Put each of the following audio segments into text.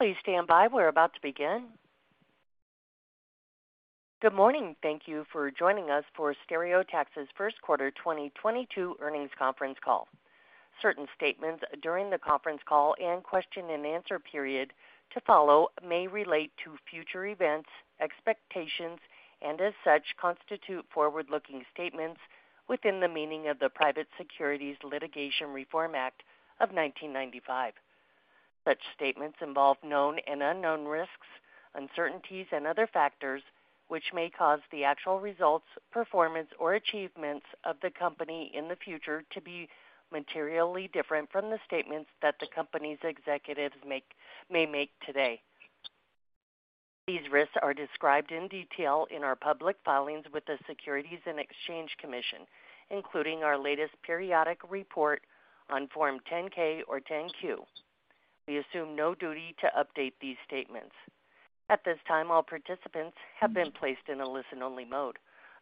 Please stand by. We're about to begin. Good morning. Thank you for joining us for Stereotaxis' first quarter 2022 earnings conference call. Certain statements during the conference call and question-and-answer period to follow may relate to future events, expectations, and as such, constitute forward-looking statements within the meaning of the Private Securities Litigation Reform Act of 1995. Such statements involve known and unknown risks, uncertainties, and other factors, which may cause the actual results, performance, or achievements of the company in the future to be materially different from the statements that the company's executives may make today. These risks are described in detail in our public filings with the Securities and Exchange Commission, including our latest periodic report on Form 10-K or 10-Q. We assume no duty to update these statements. At this time, all participants have been placed in a listen-only mode.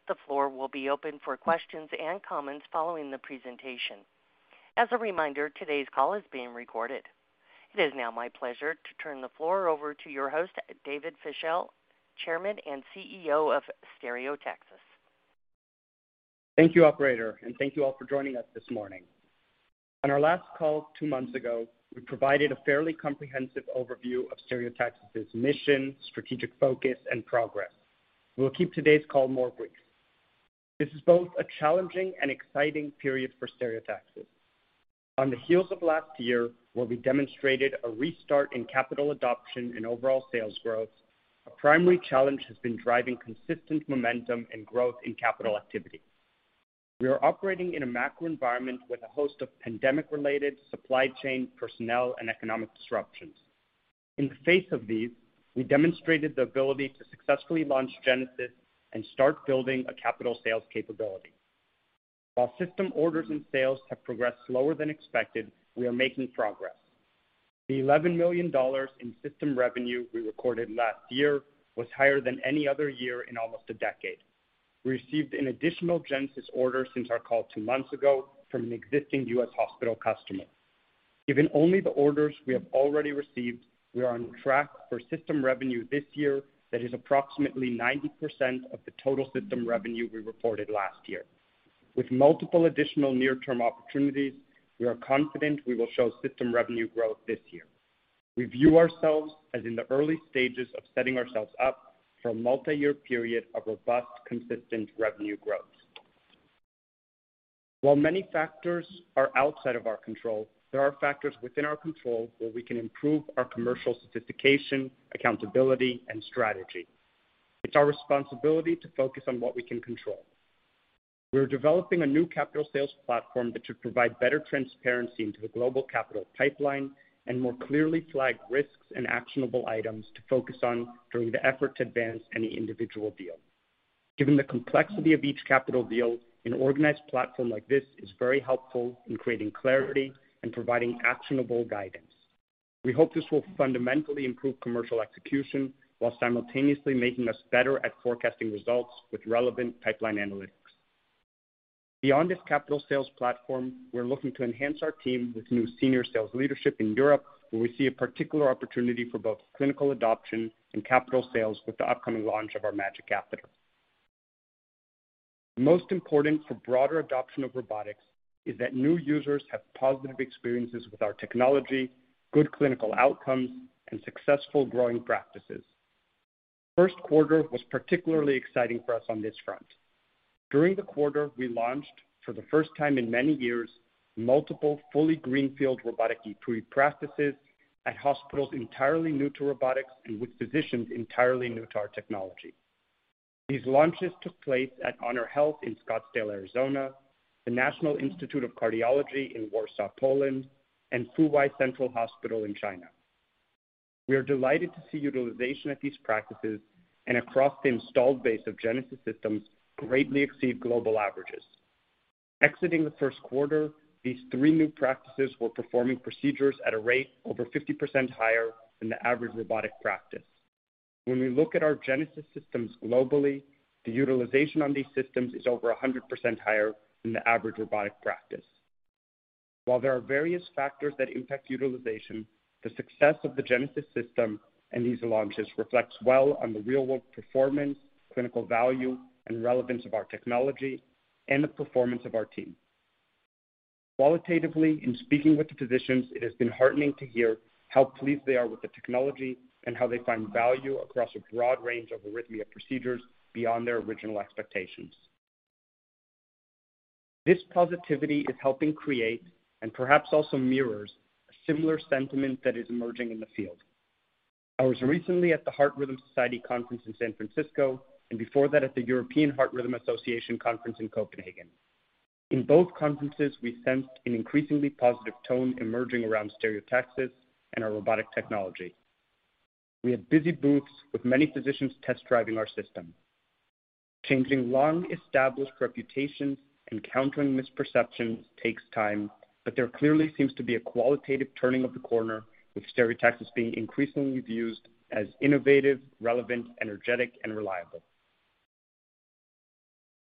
The floor will be open for questions and comments following the presentation. As a reminder, today's call is being recorded. It is now my pleasure to turn the floor over to your host, David Fischel, Chairman and CEO of Stereotaxis. Thank you, Operator, and thank you all for joining us this morning. On our last call two months ago, we provided a fairly comprehensive overview of Stereotaxis' mission, strategic focus, and progress. We'll keep today's call more brief. This is both a challenging and exciting period for Stereotaxis. On the heels of last year, where we demonstrated a restart in capital adoption and overall sales growth, our primary challenge has been driving consistent momentum and growth in capital activity. We are operating in a macro environment with a host of pandemic-related supply chain, personnel, and economic disruptions. In face of these, we demonstrated the ability to successfully launch Genesis and start building a capital sales capability. While system orders and sales have progressed slower than expected, we are making progress. The $11 million in system revenue we recorded last year was higher than any other year in almost a decade. We received an additional Genesis order since our call two months ago from an existing U.S. hospital customer. Given only the orders we have already received, we are on track for system revenue this year that is approximately 90% of the total system revenue we reported last year. With multiple additional near-term opportunities, we are confident we will show system revenue growth this year. We view ourselves as in the early stages of setting ourselves up for a multi-year period of robust, consistent revenue growth. While many factors are outside of our control, there are factors within our control where we can improve our commercial sophistication, accountability, and strategy. It's our responsibility to focus on what we can control. We're developing a new capital sales platform that should provide better transparency into the global capital pipeline and more clearly flag risks and actionable items to focus on during the effort to advance any individual deal. Given the complexity of each capital deal, an organized platform like this is very helpful in creating clarity and providing actionable guidance. We hope this will fundamentally improve commercial execution while simultaneously making us better at forecasting results with relevant pipeline analytics. Beyond this capital sales platform, we're looking to enhance our team with new senior sales leadership in Europe, where we see a particular opportunity for both clinical adoption and capital sales with the upcoming launch of our MAGiC catheter. Most important for broader adoption of robotics is that new users have positive experiences with our technology, good clinical outcomes, and successful growing practices. First quarter was particularly exciting for us on this front. During the quarter, we launched for the first time in many years, multiple fully greenfield robotic EP practices at hospitals entirely new to robotics and with physicians entirely new to our technology. These launches took place at HonorHealth in Scottsdale, Arizona, the National Institute of Cardiology in Warsaw, Poland, and Fuwai Central Hospital in China. We are delighted to see utilization at these practices and across the installed base of Genesis systems greatly exceed global averages. Exiting the first quarter, these three new practices were performing procedures at a rate over 50% higher than the average robotic practice. When we look at our Genesis systems globally, the utilization on these systems is over 100% higher than the average robotic practice. While there are various factors that impact utilization, the success of the Genesis system and these launches reflects well on the real-world performance, clinical value, and relevance of our technology and the performance of our team. Qualitatively, in speaking with the physicians, it has been heartening to hear how pleased they are with the technology and how they find value across a broad range of arrhythmia procedures beyond their original expectations. This positivity is helping create, and perhaps also mirrors, a similar sentiment that is emerging in the field. I was recently at the Heart Rhythm Society conference in San Francisco, and before that at the European Heart Rhythm Association conference in Copenhagen. In both conferences, we sensed an increasingly positive tone emerging around Stereotaxis and our robotic technology. We had busy booths with many physicians test driving our system. Changing long-established reputations and countering misperceptions takes time, but there clearly seems to be a qualitative turning of the corner with Stereotaxis being increasingly viewed as innovative, relevant, energetic, and reliable.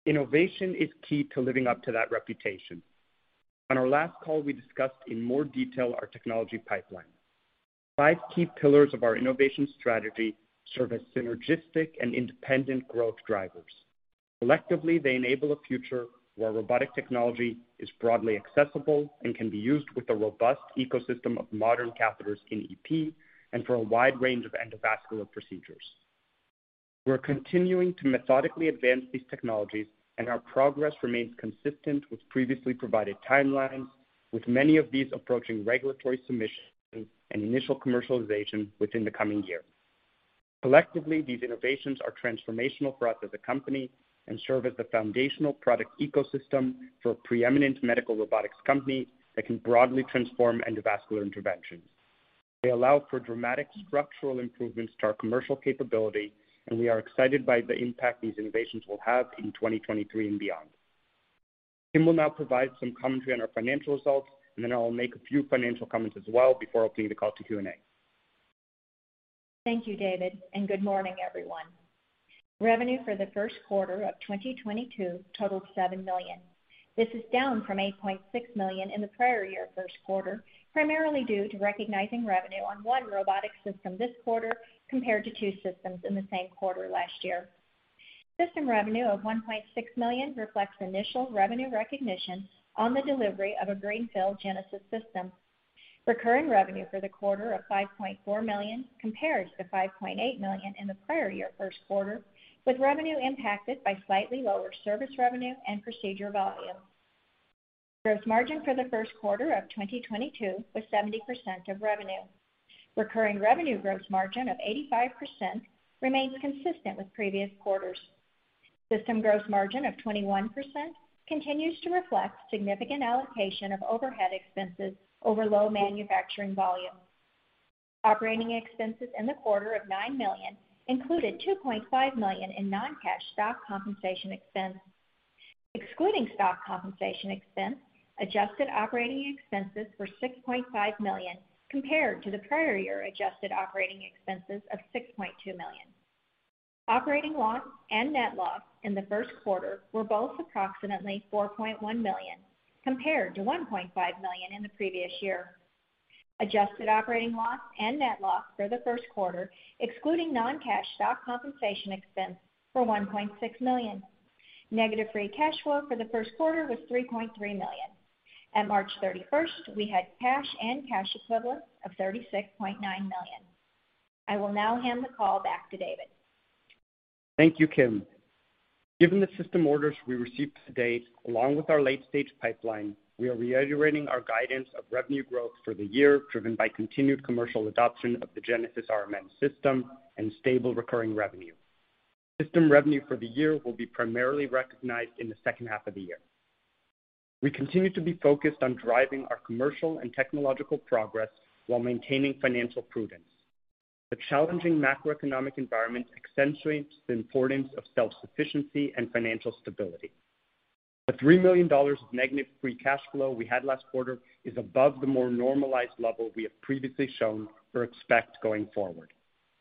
Innovation is key to living up to that reputation. On our last call, we discussed in more detail our technology pipeline. Five key pillars of our innovation strategy serve as synergistic and independent growth drivers. Collectively, they enable a future where robotic technology is broadly accessible and can be used with a robust ecosystem of modern catheters in EP and for a wide range of endovascular procedures. We're continuing to methodically advance these technologies and our progress remains consistent with previously provided timelines, with many of these approaching regulatory submissions and initial commercialization within the coming year. Collectively, these innovations are transformational for us as a company and serve as the foundational product ecosystem for preeminent medical robotics company that can broadly transform endovascular interventions. They allow for dramatic structural improvements to our commercial capability, and we are excited by the impact these innovations will have in 2023 and beyond. Kim will now provide some commentary on our financial results, and then I'll make a few financial comments as well before opening the call to Q&A. Thank you, David, and good morning, everyone. Revenue for the first quarter of 2022 totaled $7 million. This is down from $8.6 million in the prior year first quarter, primarily due to recognizing revenue on one robotic system this quarter compared to two systems in the same quarter last year. System revenue of $1.6 million reflects initial revenue recognition on the delivery of a greenfield Genesis system. Recurring revenue for the quarter of $5.4 million compares to $5.8 million in the prior year first quarter, with revenue impacted by slightly lower service revenue and procedure volume. Gross margin for the first quarter of 2022 was 70% of revenue. Recurring revenue gross margin of 85% remains consistent with previous quarters. System gross margin of 21% continues to reflect significant allocation of overhead expenses over low manufacturing volumes. Operating expenses in the quarter were $9 million, including $2.5 million in non-cash stock compensation expense. Excluding stock compensation expense, adjusted operating expenses were $6.5 million compared to the prior year adjusted operating expenses of $6.2 million. Operating loss and net loss in the first quarter were both approximately $4.1 million, compared to $1.5 million in the previous year. Adjusted operating loss and net loss for the first quarter, excluding non-cash stock compensation expense, were $1.6 million. Negative free cash flow for the first quarter was $3.3 million. At March 31st, we had cash and cash equivalents of $36.9 million. I will now hand the call back to David. Thank you, Kim. Given the system orders we received to date, along with our late stage pipeline, we are reiterating our guidance of revenue growth for the year driven by continued commercial adoption of the Genesis RMN system and stable recurring revenue. System revenue for the year will be primarily recognized in the second half of the year. We continue to be focused on driving our commercial and technological progress while maintaining financial prudence. The challenging macroeconomic environment accentuates the importance of self-sufficiency and financial stability. The $3 million of negative free cash flow we had last quarter is above the more normalized level we have previously shown or expect going forward.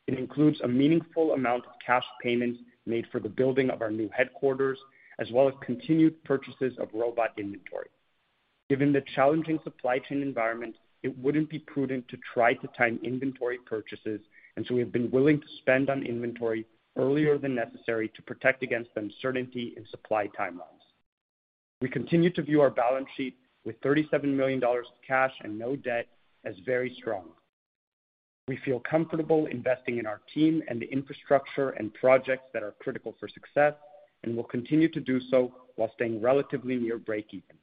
It includes a meaningful amount of cash payments made for the building of our new headquarters, as well as continued purchases of robot inventory. Given the challenging supply chain environment, it wouldn't be prudent to try to time inventory purchases, and so we have been willing to spend on inventory earlier than necessary to protect against the uncertainty in supply timelines. We continue to view our balance sheet with $37 million of cash and no debt as very strong. We feel comfortable investing in our team and the infrastructure and projects that are critical for success, and we'll continue to do so while staying relatively near breakeven.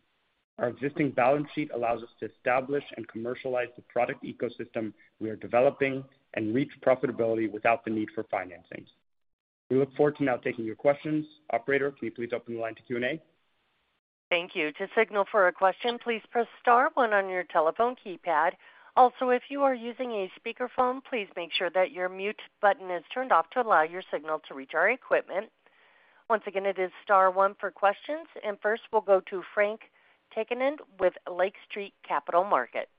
Our existing balance sheet allows us to establish and commercialize the product ecosystem we are developing and reach profitability without the need for financings. We look forward to now taking your questions. Operator, can you please open the line to Q&A? Thank you. To signal for a question, please press star one on your telephone keypad. Also, if you are using a speakerphone, please make sure that your mute button is turned off to allow your signal to reach our equipment. Once again, it is star one for questions. First, we'll go to Frank Takkinen with Lake Street Capital Markets.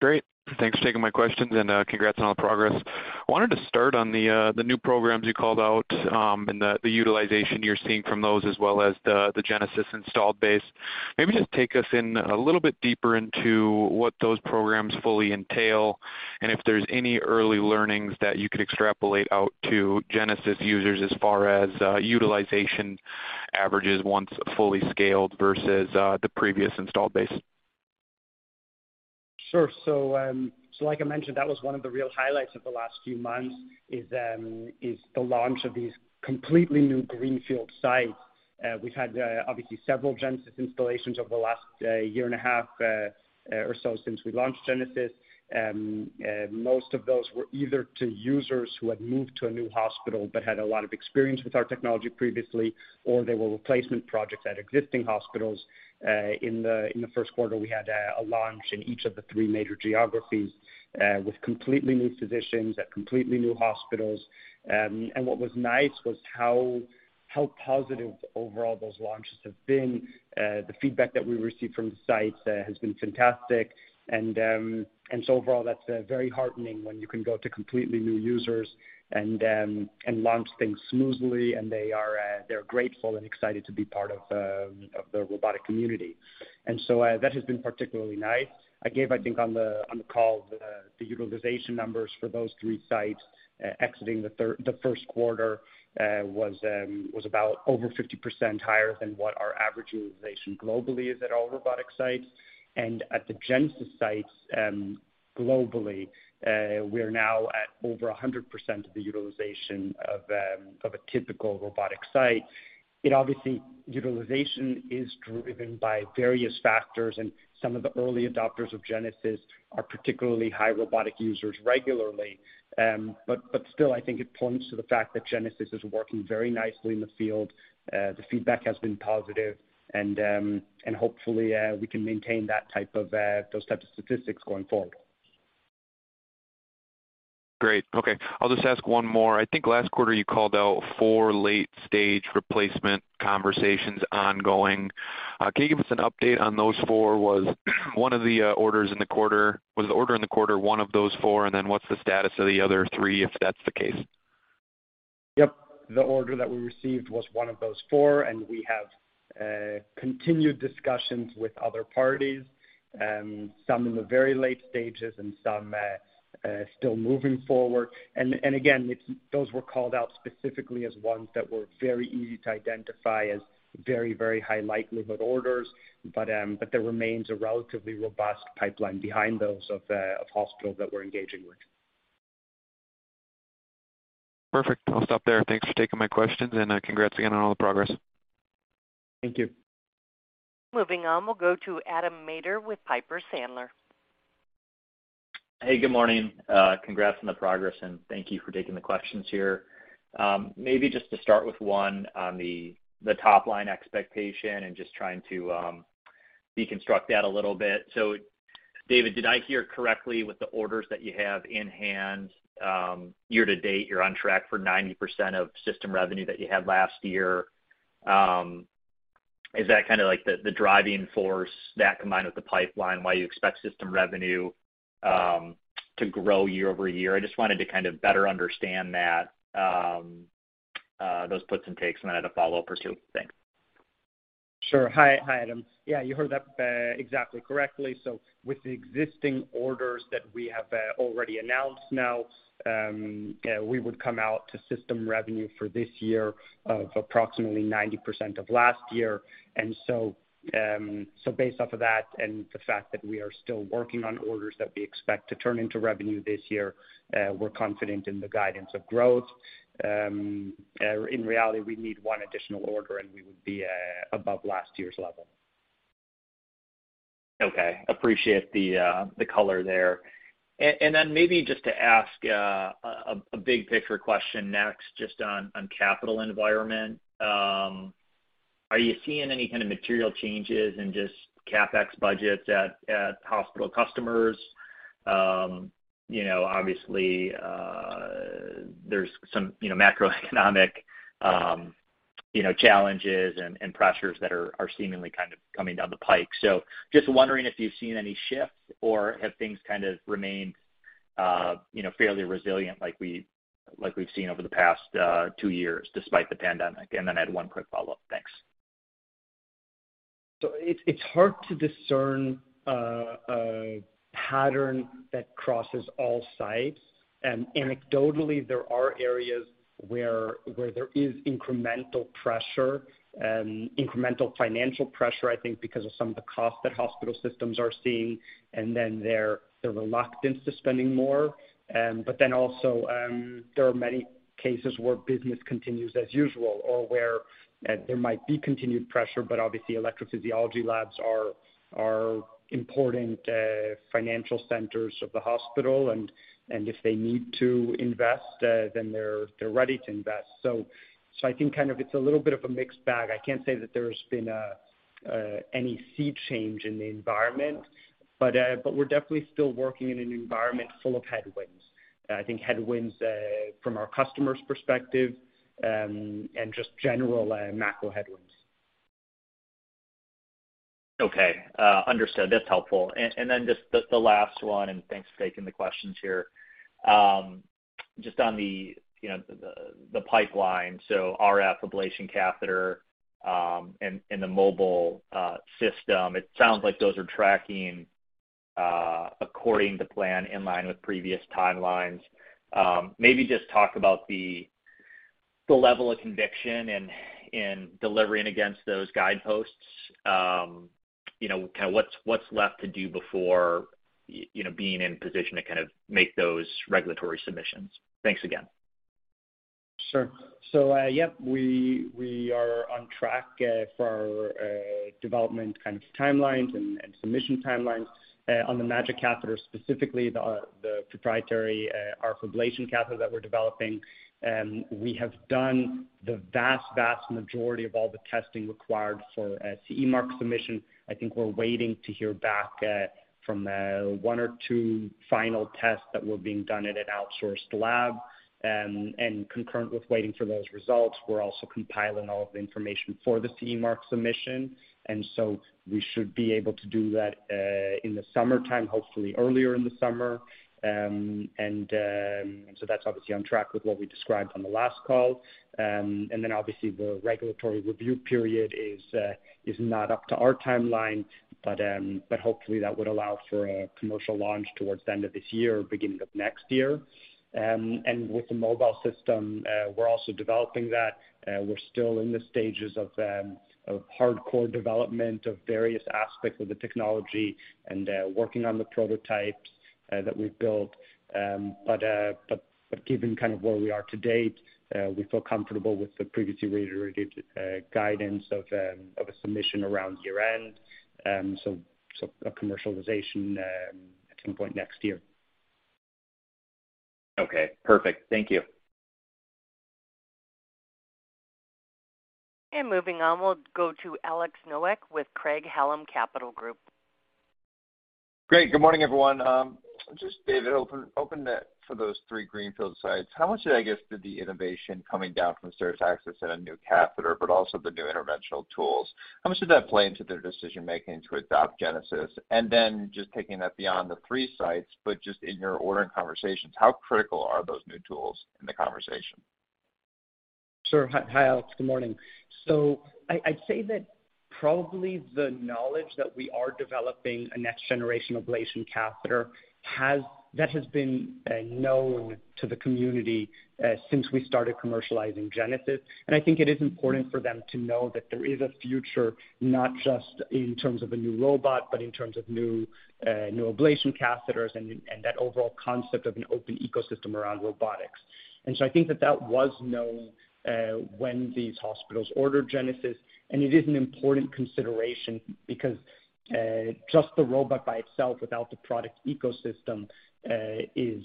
Great. Thanks for taking my questions and, congrats on all the progress. I wanted to start on the new programs you called out, and the utilization you're seeing from those, as well as the Genesis installed base. Maybe just take us in a little bit deeper into what those programs fully entail, and if there's any early learnings that you could extrapolate out to Genesis users as far as utilization averages once fully scaled versus the previous installed base. Sure. Like I mentioned, that was one of the real highlights of the last few months is the launch of these completely new greenfield sites. We've had obviously several Genesis installations over the last year and a half or so since we launched Genesis. Most of those were either to users who had moved to a new hospital but had a lot of experience with our technology previously, or they were replacement projects at existing hospitals. In the first quarter, we had a launch in each of the three major geographies with completely new physicians at completely new hospitals. What was nice was how positive overall those launches have been. The feedback that we received from the sites has been fantastic, and so overall, that's very heartening when you can go to completely new users and launch things smoothly, and they are grateful and excited to be part of the robotic community. That has been particularly nice. I gave, I think, on the call the utilization numbers for those three sites. Exiting the first quarter was about over 50% higher than what our average utilization globally is at all robotic sites. At the Genesis sites, globally, we're now at over 100% of the utilization of a typical robotic site. It obviously. Utilization is driven by various factors, and some of the early adopters of Genesis are particularly high robotic users regularly. Still, I think it points to the fact that Genesis is working very nicely in the field. The feedback has been positive and hopefully we can maintain that type of, those types of statistics going forward. Great. Okay. I'll just ask one more. I think last quarter you called out four late-stage replacement conversations ongoing. Can you give us an update on those four? Was the order in the quarter one of those four, and then what's the status of the other three, if that's the case? Yep. The order that we received was one of those four, and we have continued discussions with other parties, some in the very late stages and some still moving forward. Again, those were called out specifically as ones that were very easy to identify as very, very high likelihood orders. There remains a relatively robust pipeline behind those of hospitals that we're engaging with. Perfect. I'll stop there. Thanks for taking my questions, and congrats again on all the progress. Thank you. Moving on, we'll go to Adam Maeder with Piper Sandler. Hey, good morning. Congrats on the progress, and thank you for taking the questions here. Maybe just to start with one on the top line expectation and just trying to deconstruct that a little bit. David, did I hear correctly with the orders that you have in hand, year to date, you're on track for 90% of system revenue that you had last year? Is that kind of like the driving force that combined with the pipeline, why you expect system revenue to grow year-over-year? I just wanted to kind of better understand that, those puts and takes. Then I had a follow-up or two. Thanks. Sure. Hi, Adam. Yeah, you heard that exactly correctly. With the existing orders that we have already announced now, we would come out to system revenue for this year of approximately 90% of last year. Based off of that and the fact that we are still working on orders that we expect to turn into revenue this year, we're confident in the guidance of growth. In reality, we need one additional order, and we would be above last year's level. Okay. Appreciate the color there. And then maybe just to ask a big picture question next just on capital environment. Are you seeing any kind of material changes in just CapEx budgets at hospital customers? You know, obviously, there's some macroeconomic challenges and pressures that are seemingly kind of coming down the pike. Just wondering if you've seen any shifts or have things kind of remained you know, fairly resilient like we've seen over the past two years despite the pandemic. I had one quick follow-up. Thanks. It's hard to discern a pattern that crosses all sites. Anecdotally, there are areas where there is incremental pressure, incremental financial pressure, I think because of some of the costs that hospital systems are seeing and then their reluctance to spending more. There are many cases where business continues as usual or where there might be continued pressure, but obviously electrophysiology labs are important financial centers of the hospital. If they need to invest, then they're ready to invest. I think kind of it's a little bit of a mixed bag. I can't say that there's been any sea change in the environment, but we're definitely still working in an environment full of headwinds. I think headwinds from our customers' perspective and just general macro headwinds. Okay. Understood. That's helpful. Then just the last one, and thanks for taking the questions here. Just on the, you know, the pipeline, so RF ablation catheter, and the mobile system, it sounds like those are tracking according to plan in line with previous timelines. Maybe just talk about the level of conviction in delivering against those guideposts. You know, kind of what's left to do before being in position to kind of make those regulatory submissions? Thanks again. Sure. Yep, we are on track for our development kind of timelines and submission timelines on the MAGiC catheter, specifically the proprietary RF ablation catheter that we're developing. We have done the vast majority of all the testing required for a CE mark submission. I think we're waiting to hear back from one or two final tests that were being done at an outsourced lab. Concurrent with waiting for those results, we're also compiling all of the information for the CE mark submission. We should be able to do that in the summertime, hopefully earlier in the summer. That's obviously on track with what we described on the last call. Then obviously the regulatory review period is not up to our timeline, but hopefully that would allow for a commercial launch toward the end of this year or beginning of next year. With the mobile system, we're also developing that. We're still in the stages of hardcore development of various aspects of the technology and working on the prototypes that we've built. Given kind of where we are to date, we feel comfortable with the previously reiterated guidance of a submission around year-end. A commercialization at some point next year. Okay. Perfect. Thank you. Moving on, we'll go to Alex Nowak with Craig-Hallum Capital Group. Great. Good morning, everyone. Just, David, open that for those three greenfield sites. How much did, I guess, the innovation coming down from Stereotaxis in a new catheter, but also the new interventional tools, how much did that play into their decision-making to adopt Genesis? Just taking that beyond the three sites, but just in your ordering conversations, how critical are those new tools in the conversation? Sure. Hi, Alex. Good morning. I'd say that probably the knowledge that we are developing a next-generation ablation catheter that has been known to the community since we started commercializing Genesis. I think it is important for them to know that there is a future, not just in terms of a new robot, but in terms of new ablation catheters and that overall concept of an open ecosystem around robotics. I think that was known when these hospitals ordered Genesis, and it is an important consideration because just the robot by itself without the product ecosystem is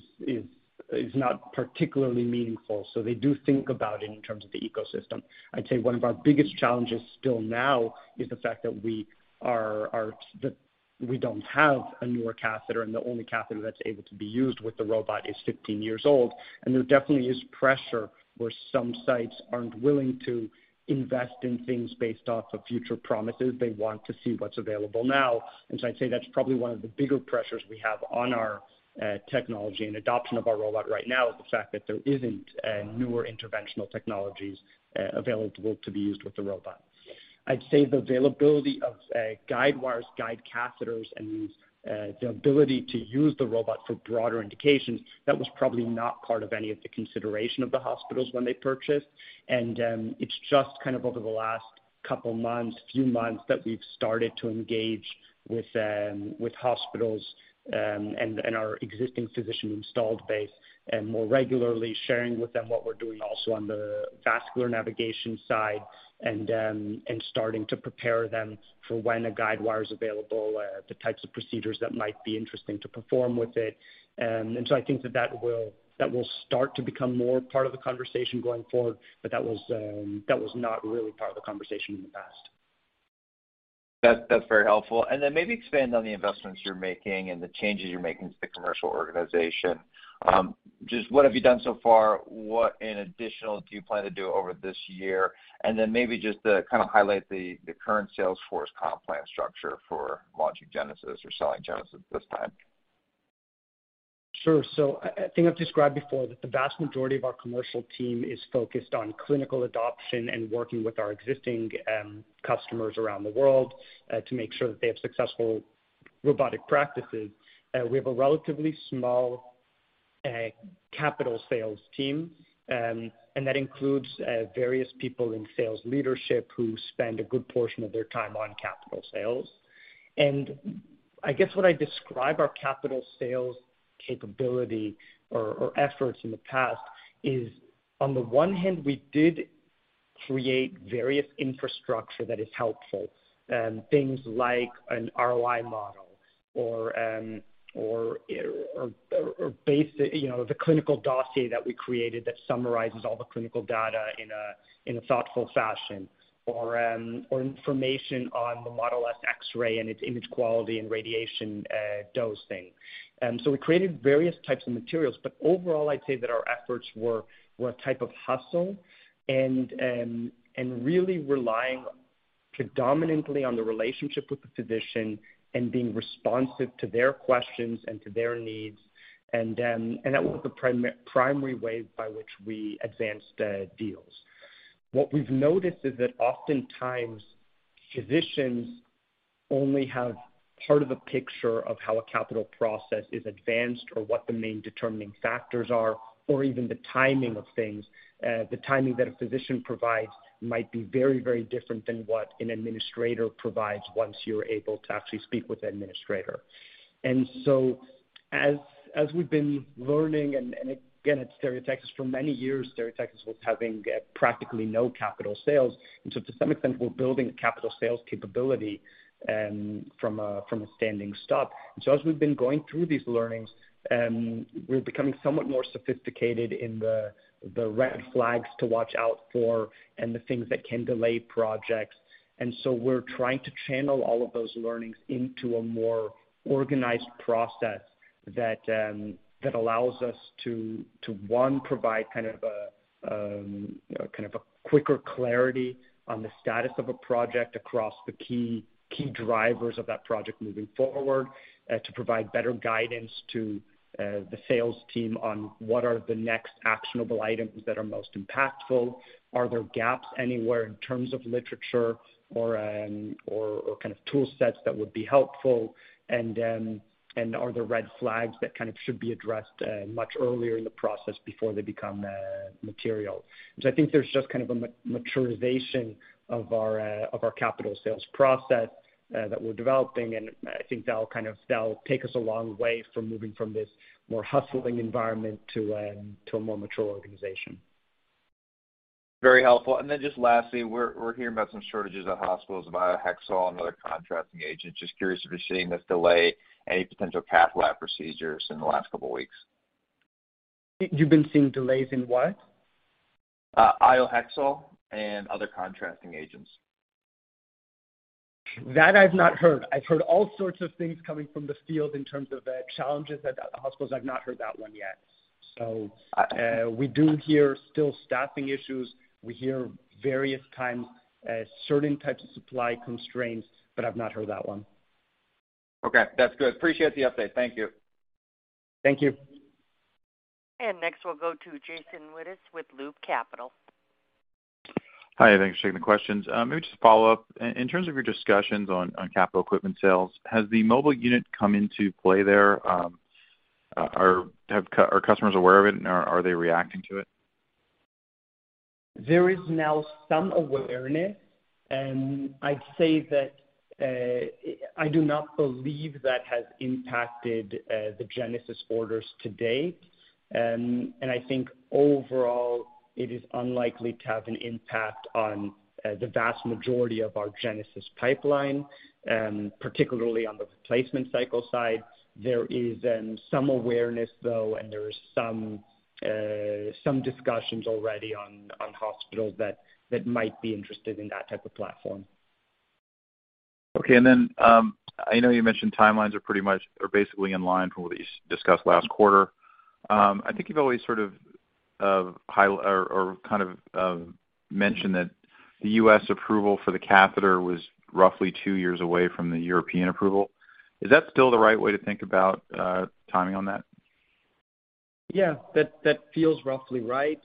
not particularly meaningful. They do think about it in terms of the ecosystem. I'd say one of our biggest challenges still now is the fact that we don't have a newer catheter, and the only catheter that's able to be used with the robot is 15 years old. There definitely is pressure where some sites aren't willing to invest in things based off of future promises. They want to see what's available now. I'd say that's probably one of the bigger pressures we have on our technology and adoption of our robot right now, is the fact that there isn't newer interventional technologies available to be used with the robot. I'd say the availability of guide wires, guide catheters, and the ability to use the robot for broader indications, that was probably not part of any of the consideration of the hospitals when they purchased. It's just kind of over the last couple months, few months that we've started to engage with hospitals, and our existing physician installed base, and more regularly sharing with them what we're doing also on the vascular navigation side, and starting to prepare them for when a guide wire's available, the types of procedures that might be interesting to perform with it. I think that will start to become more part of the conversation going forward, but that was not really part of the conversation in the past. That's very helpful. Then maybe expand on the investments you're making and the changes you're making to the commercial organization. Just what have you done so far? What in addition do you plan to do over this year? Then maybe just to kind of highlight the current sales force comp plan structure for launching Genesis or selling Genesis at this time. Sure. I think I've described before that the vast majority of our commercial team is focused on clinical adoption and working with our existing customers around the world to make sure that they have successful robotic practices. We have a relatively small capital sales team and that includes various people in sales leadership who spend a good portion of their time on capital sales. I guess what I describe our capital sales capability or efforts in the past is, on the one hand, we did create various infrastructure that is helpful things like an ROI model or you know, the clinical dossier that we created that summarizes all the clinical data in a thoughtful fashion or information on the Model-S X-ray and its image quality and radiation dosing. We created various types of materials, but overall, I'd say that our efforts were a type of hustle and really relying predominantly on the relationship with the physician and being responsive to their questions and to their needs. That was the primary way by which we advanced the deals. What we've noticed is that oftentimes physicians only have part of the picture of how a capital process is advanced or what the main determining factors are, or even the timing of things. The timing that a physician provides might be very different than what an administrator provides once you're able to actually speak with the administrator. As we've been learning, and again, at Stereotaxis for many years, Stereotaxis was having practically no capital sales. To some extent, we're building a capital sales capability from a standing start. As we've been going through these learnings, we're becoming somewhat more sophisticated in the red flags to watch out for and the things that can delay projects. We're trying to channel all of those learnings into a more organized process that allows us to one, provide kind of a quicker clarity on the status of a project across the key drivers of that project moving forward, to provide better guidance to the sales team on what are the next actionable items that are most impactful. Are there gaps anywhere in terms of literature or kind of tool sets that would be helpful? Are there red flags that kind of should be addressed much earlier in the process before they become material? I think there's just kind of a maturation of our capital sales process that we're developing, and I think that'll kind of take us a long way from moving from this more hustling environment to a more mature organization. Very helpful. Then just lastly, we're hearing about some shortages at hospitals of Iohexol and other contrast agents. Just curious if you're seeing this delay any potential cath lab procedures in the last couple weeks. You've been seeing delays in what? Iohexol and other contrast agents. That I've not heard. I've heard all sorts of things coming from the field in terms of, challenges at hospitals. I've not heard that one yet. We do hear still staffing issues. We hear various times, certain types of supply constraints, but I've not heard that one. Okay. That's good. Appreciate the update. Thank you. Thank you. Next, we'll go to Jason Wittes with Loop Capital. Hi, thanks for taking the questions. Maybe just to follow up. In terms of your discussions on capital equipment sales, has the mobile unit come into play there? Are customers aware of it or are they reacting to it? There is now some awareness, and I'd say that I do not believe that has impacted the Genesis orders to date. I think overall, it is unlikely to have an impact on the vast majority of our Genesis pipeline, particularly on the replacement cycle side. There is some awareness, though, and there is some discussions already on hospitals that might be interested in that type of platform. Okay. I know you mentioned timelines are pretty much basically in line from what you discussed last quarter. I think you've always sort of or kind of mentioned that the U.S. approval for the catheter was roughly two years away from the European approval. Is that still the right way to think about timing on that? Yeah, that feels roughly right.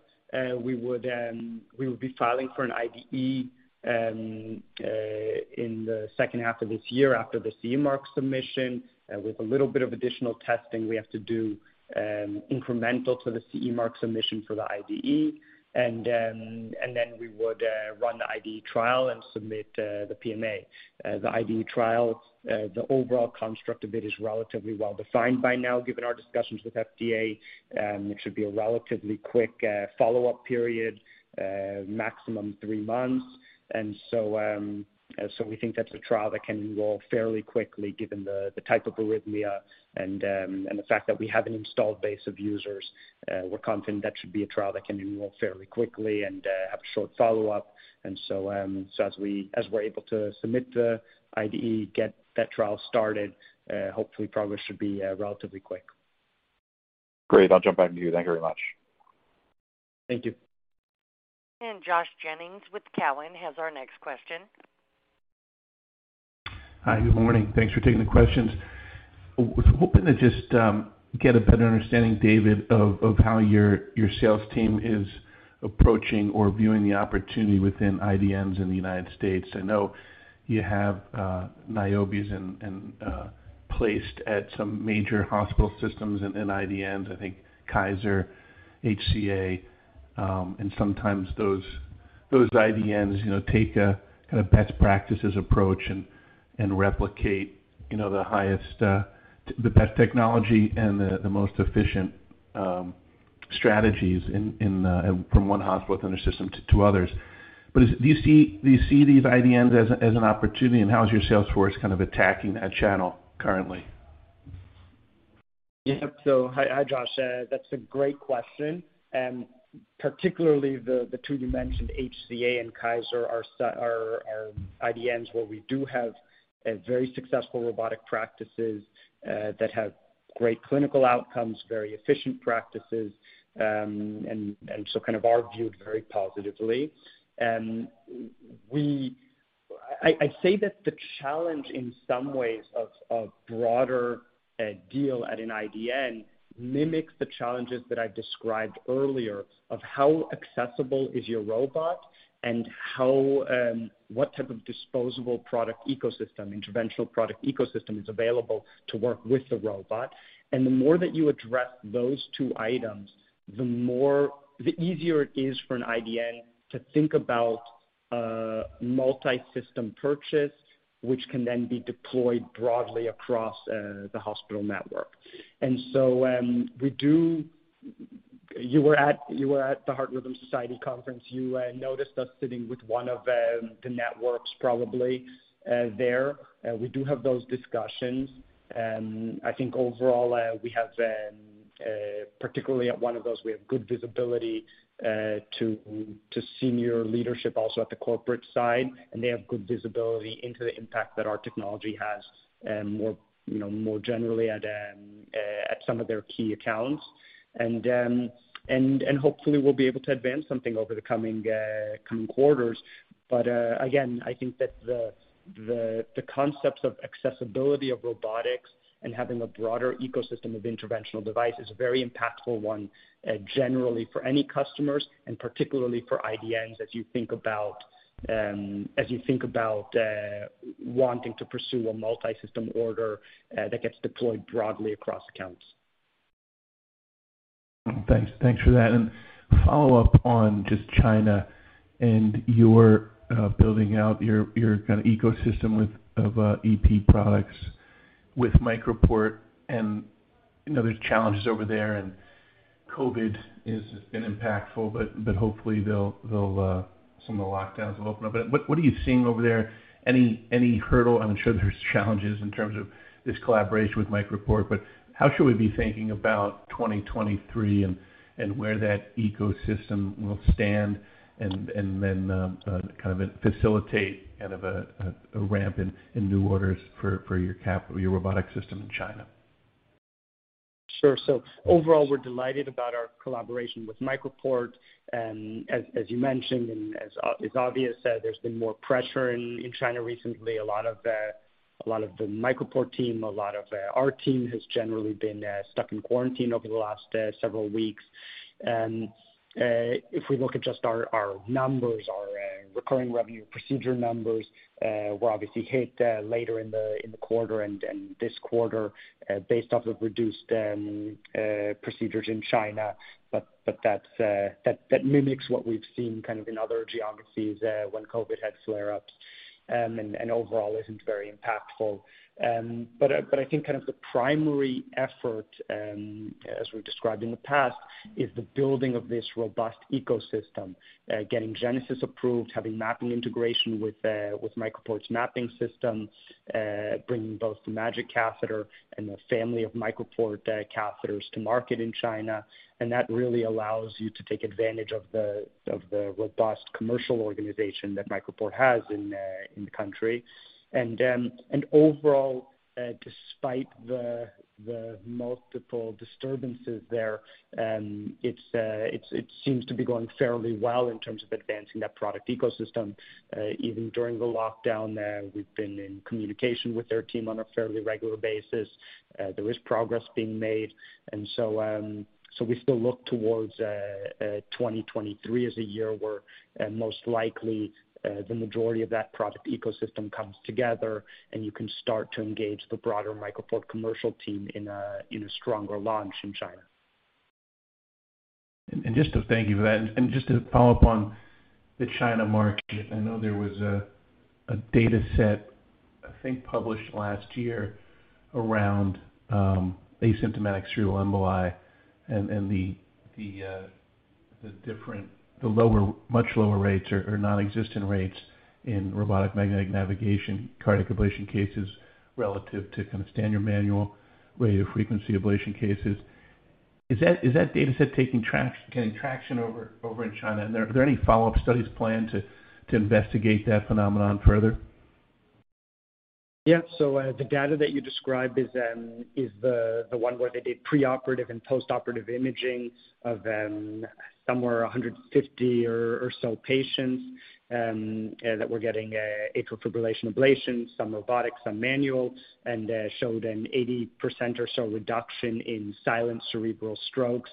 We would be filing for an IDE in the second half of this year after the CE mark submission with a little bit of additional testing we have to do incremental to the CE mark submission for the IDE. We would run the IDE trial and submit the PMA. The IDE trial, the overall construct of it is relatively well-defined by now, given our discussions with FDA. It should be a relatively quick follow-up period, maximum three months. We think that's a trial that can enroll fairly quickly given the type of arrhythmia and the fact that we have an installed base of users. We're confident that should be a trial that can enroll fairly quickly and have a short follow-up. As we're able to submit the IDE, get that trial started, hopefully progress should be relatively quick. Great. I'll jump back to you. Thank you very much. Thank you. Josh Jennings with Cowen has our next question. Hi, good morning. Thanks for taking the questions. Was hoping to just get a better understanding, David, of how your sales team is approaching or viewing the opportunity within IDNs in the United States. I know you have Niobes placed at some major hospital systems in IDNs, I think Kaiser, HCA, and sometimes those IDNs, you know, take a best practices approach and replicate, you know, the highest, the best technology and the most efficient strategies from one hospital within a system to others. Do you see these IDNs as an opportunity, and how is your sales force kind of attacking that channel currently? Hi, Josh. That's a great question. Particularly the two you mentioned, HCA and Kaiser, are IDNs where we do have very successful robotic practices that have great clinical outcomes, very efficient practices, and so kind of are viewed very positively. I say that the challenge in some ways of broader deal at an IDN mimics the challenges that I described earlier of how accessible is your robot and how what type of disposable product ecosystem, interventional product ecosystem is available to work with the robot. The more that you address those two items, the easier it is for an IDN to think about multi-system purchase, which can then be deployed broadly across the hospital network. We do... You were at the Heart Rhythm Society conference. You noticed us sitting with one of the networks probably there. We do have those discussions. I think overall, we have particularly at one of those, we have good visibility to senior leadership also at the corporate side, and they have good visibility into the impact that our technology has more, you know, more generally at some of their key accounts. Hopefully we'll be able to advance something over the coming quarters. Again, I think that the concepts of accessibility of robotics and having a broader ecosystem of interventional devices is a very impactful one, generally for any customers and particularly for IDNs as you think about wanting to pursue a multi-system order that gets deployed broadly across accounts. Thanks. Thanks for that. Follow-up on just China and your building out your kind of ecosystem with EP products with MicroPort and, you know, there's challenges over there, and COVID has been impactful, but hopefully they'll some of the lockdowns will open up. But what are you seeing over there? Any hurdle? I'm sure there's challenges in terms of this collaboration with MicroPort, but how should we be thinking about 2023 and where that ecosystem will stand and then kind of facilitate a ramp in new orders for your robotic system in China? Sure. Overall, we're delighted about our collaboration with MicroPort. As you mentioned and as Abhi has said, there's been more pressure in China recently. A lot of the MicroPort team, a lot of our team has generally been stuck in quarantine over the last several weeks. If we look at just our numbers, our recurring revenue procedure numbers were obviously hit later in the quarter and this quarter based off the reduced procedures in China. That's that mimics what we've seen kind of in other geographies when COVID had flare-ups, and overall isn't very impactful. I think kind of the primary effort, as we've described in the past, is the building of this robust ecosystem, getting Genesis approved, having mapping integration with MicroPort's mapping system, bringing both the MAGiC catheter and the family of MicroPort catheters to market in China. That really allows you to take advantage of the robust commercial organization that MicroPort has in the country. Overall, despite the multiple disturbances there, it seems to be going fairly well in terms of advancing that product ecosystem. Even during the lockdown, we've been in communication with their team on a fairly regular basis. There is progress being made. We still look towards 2023 as a year where most likely the majority of that product ecosystem comes together, and you can start to engage the broader MicroPort commercial team in a stronger launch in China. Thank you for that. Just to follow up on the China market, I know there was a dataset I think published last year around asymptomatic cerebral emboli and the lower, much lower rates or nonexistent rates in robotic magnetic navigation cardiac ablation cases relative to kind of standard manual radiofrequency ablation cases. Is that dataset getting traction over in China? Are there any follow-up studies planned to investigate that phenomenon further? Yeah. The data that you described is the one where they did preoperative and postoperative imaging of somewhere 150 or so patients that were getting atrial fibrillation ablation, some robotic, some manual, and showed an 80% or so reduction in silent cerebral strokes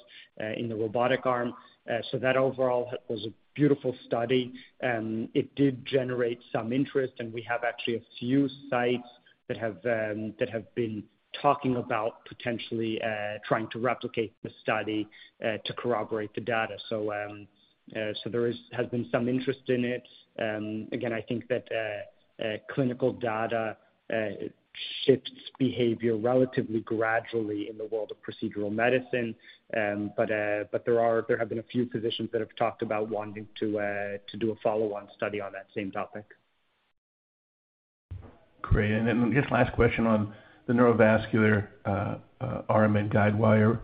in the robotic arm. That overall was a beautiful study. It did generate some interest, and we have actually a few sites that have been talking about potentially trying to replicate the study to corroborate the data. There has been some interest in it. Again, I think that clinical data shifts behavior relatively gradually in the world of procedural medicine. There have been a few physicians that have talked about wanting to do a follow-on study on that same topic. Great. Just last question on the neurovascular RMN guidewire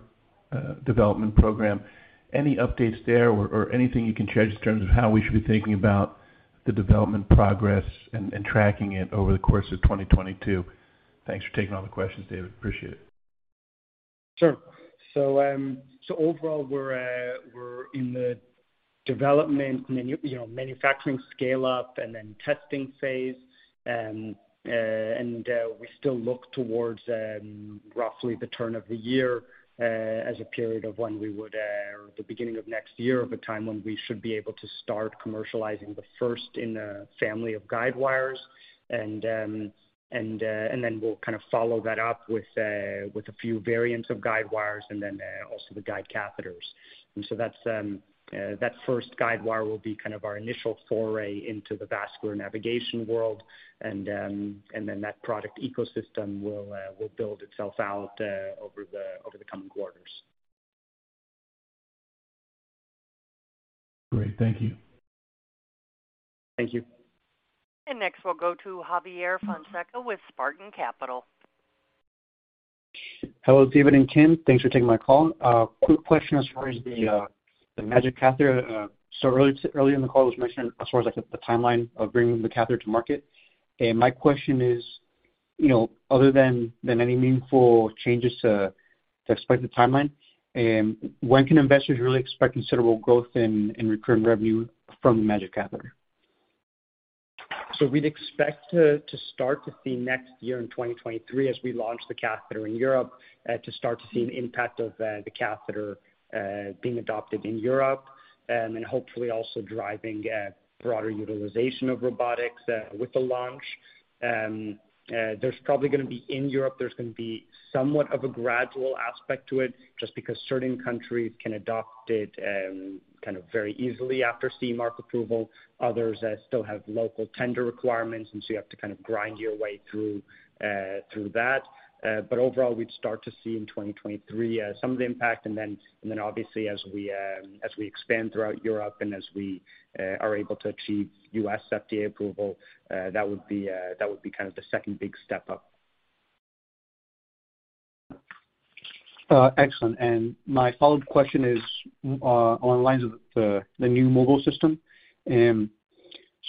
development program. Any updates there or anything you can share just in terms of how we should be thinking about the development progress and tracking it over the course of 2022? Thanks for taking all the questions, David. Appreciate it. Sure. Overall, we're in the development you know, manufacturing scale up and then testing phase. We still look towards roughly the turn of the year as a period of when we would or the beginning of next year of a time when we should be able to start commercializing the first in a family of guide wires. We'll kind of follow that up with a few variants of guide wires and then also the guide catheters. That's that first guide wire will be kind of our initial foray into the vascular navigation world. That product ecosystem will build itself out over the coming quarters. Great. Thank you. Next, we'll go to Javier Fonseca with Spartan Capital. Hello, David and Kim. Thanks for taking my call. Quick question as far as the MAGiC catheter. So early in the call was mentioned as far as like the timeline of bringing the catheter to market. My question is, you know, other than any meaningful changes to explain the timeline, when can investors really expect considerable growth in recurring revenue from the MAGiC catheter? We'd expect to start to see next year in 2023 as we launch the catheter in Europe, to start to see an impact of the catheter being adopted in Europe, and hopefully also driving broader utilization of robotics with the launch. There's probably gonna be somewhat of a gradual aspect to it in Europe just because certain countries can adopt it kind of very easily after CE mark approval. Others still have local tender requirements, and so you have to kind of grind your way through that. Overall, we'd start to see in 2023 some of the impact. Obviously as we expand throughout Europe and as we are able to achieve U.S. FDA approval, that would be kind of the second big step up. Excellent. My follow-up question is, along the lines of the new mobile system.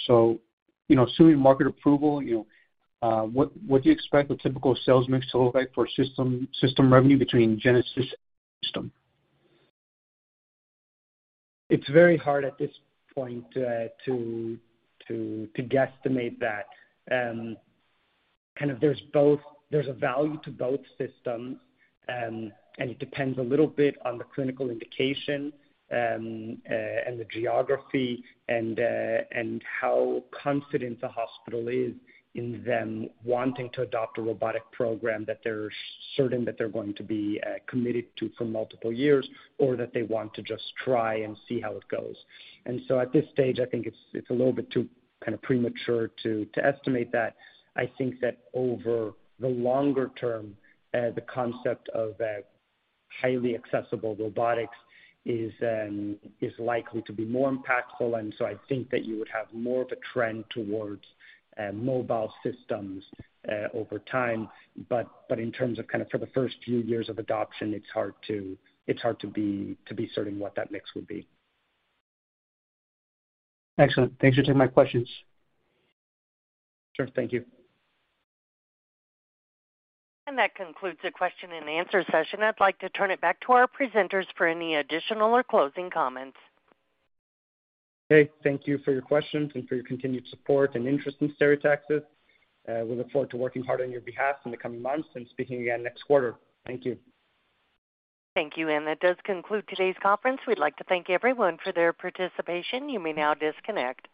So, you know, assuming market approval, you know, what do you expect the typical sales mix to look like for system revenue between Genesis system? It's very hard at this point to guesstimate that. There's a value to both systems. It depends a little bit on the clinical indication, and the geography and how confident the hospital is in them wanting to adopt a robotic program that they're certain that they're going to be committed to for multiple years, or that they want to just try and see how it goes. At this stage, I think it's a little bit too kind of premature to estimate that. I think that over the longer term, the concept of highly accessible robotics is likely to be more impactful. I think that you would have more of a trend towards mobile systems over time. In terms of kind of for the first few years of adoption, it's hard to be certain what that mix would be. Excellent. Thanks for taking my questions. Sure. Thank you. That concludes the question-and-answer session. I'd like to turn it back to our presenters for any additional or closing comments. Okay. Thank you for your questions and for your continued support and interest in Stereotaxis. We look forward to working hard on your behalf in the coming months and speaking again next quarter. Thank you. Thank you. That does conclude today's conference. We'd like to thank everyone for their participation. You may now disconnect.